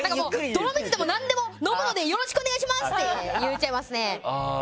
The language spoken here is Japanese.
泥水でも何でも飲むのでよろしくお願いしますって言っちゃいますね。